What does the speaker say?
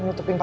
jok ya enggak